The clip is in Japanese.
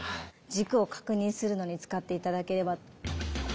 軸を確認するのに使って頂ければ。